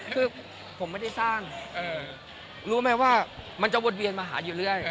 คือผมไม่ได้สร้างรู้ไหมว่ามันจะวนเวียนมาหาอยู่เรื่อย